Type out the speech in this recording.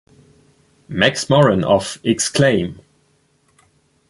Max Morin of Exclaim!